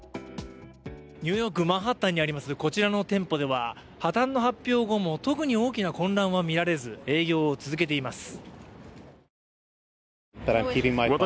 ニューヨーク・マンハッタンにあります、こちらの店舗では破綻の発表後も特に大きな混乱は見られず、営業を続けています。